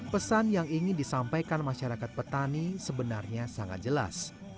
pesan yang ingin disampaikan masyarakat petani sebenarnya sangat jelas